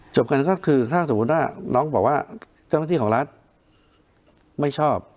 กันก็คือถ้าสมมุติว่าน้องบอกว่าเจ้าหน้าที่ของรัฐไม่ชอบ